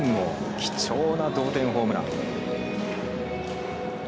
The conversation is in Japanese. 貴重な同点ホームラン。